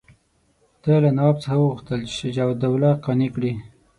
ده له نواب څخه وغوښتل چې شجاع الدوله قانع کړي.